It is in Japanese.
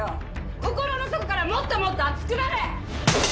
心の底からもっともっと熱くなれ！